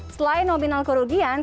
selain nominal kerugian